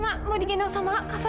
mau digendong sama kak kava